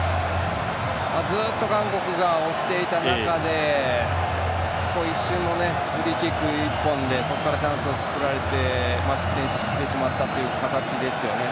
ずっと韓国が押していた中で一瞬のフリーキック１本でチャンスを作られて失点してしまったっていう形ですよね。